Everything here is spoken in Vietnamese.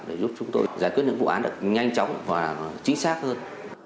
để giúp chúng tôi giải quyết những vụ án được nhanh chóng và chính xác hơn